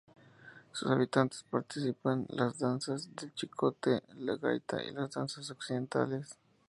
Sus habitantes practican las danzas del Chicote, la Gaita y danzas occidentales.